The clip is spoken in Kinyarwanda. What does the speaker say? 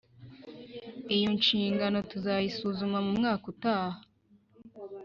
Iyo nshingano tuzayisuzuma mumwaka utaha